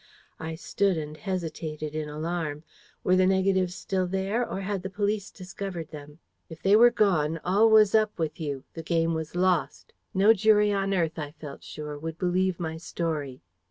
I stood and hesitated in alarm. Were the negatives still there, or had the police discovered them? If they were gone, all was up with you. The game was lost. No jury on earth, I felt sure, would believe my story.